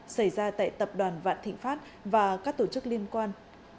xảy ra tại tập đoàn vạn thịnh pháp và các tổ chức liên quan